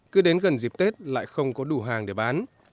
cứ đến gần dịp tết lại không có đủ hàng để bán